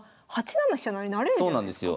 ８七飛車成成れるじゃないですか。